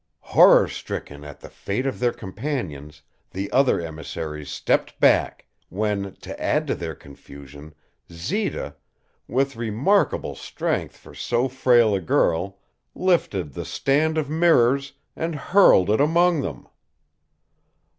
Horror stricken at the fate of their companions, the other emissaries stepped back, when, to add to their confusion, Zita, with remarkable strength for so frail a girl, lifted the stand of mirrors and hurled it among them.